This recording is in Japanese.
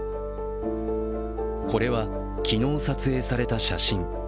これは昨日撮影された写真。